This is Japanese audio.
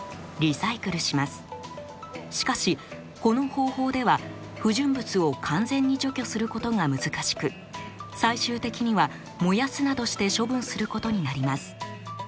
しかしこの方法では不純物を完全に除去することが難しく最終的には燃やすなどして処分することになります。